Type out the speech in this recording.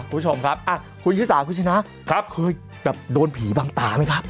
คุณผู้ชมครับคุณชิสาคุณชนะครับเคยแบบโดนผีบังตาไหมครับ